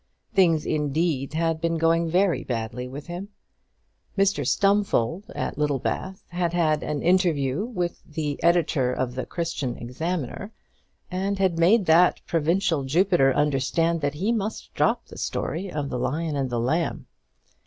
Things, indeed, had been going very badly with him. Mr Stumfold at Littlebath had had an interview with the editor of the Christian Examiner, and had made that provincial Jupiter understand that he must drop the story of the Lion and the Lamb.